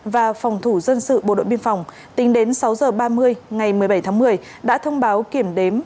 và phòng thủ dân sự bộ đội biên phòng tính đến sáu h ba mươi ngày một mươi bảy tháng một mươi đã thông báo kiểm đếm